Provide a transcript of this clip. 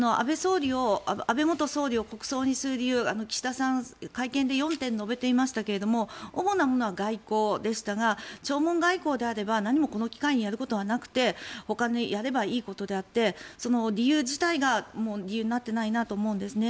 安倍元総理を国葬にする理由岸田さん、会見で４点述べていましたが主なものは外交でしたが弔問外交であれば何もこの機会にやることはなくてほかにやればいいことであって理由自体が理由になっていないなと思うんですね。